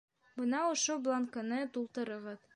Бына ошо бланкыны тултырығыҙ.